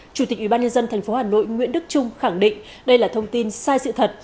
chủ tịch ủy ban nhân dân tp hà nội nguyễn đức trung khẳng định đây là thông tin sai sự thật